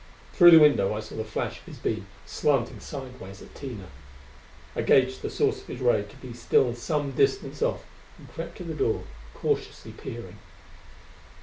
Through the window I saw the flash of his beam, slanting sidewise at Tina. I gauged the source of his ray to be still some distance off, and crept to the door, cautiously peering.